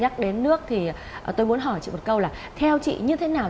xin hỏi chị một câu là theo chị như thế nào